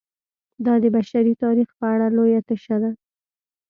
دا د بشري تاریخ په اړه لویه تشه ده.